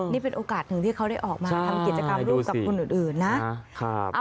นี่เป็นโอกาสหนึ่งที่เขาได้ออกมาทำกิจกรรมร่วมกับคนอื่นนะ